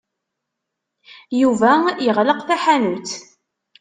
Yuba yeɣleq taḥanut.